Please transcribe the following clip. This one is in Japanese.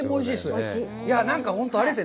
なんか本当にあれですね。